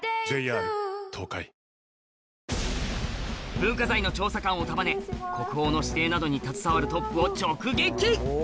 文化財の調査官を束ね国宝の指定などに携わるトップを直撃！